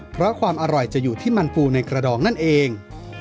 เพราะความอร่อยจะอยู่ที่มันฟูในกระดองนั่นเอง